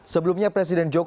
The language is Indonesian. sebelumnya presiden jokowi